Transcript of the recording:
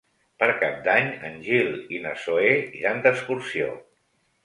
Per Cap d'Any en Gil i na Zoè iran d'excursió.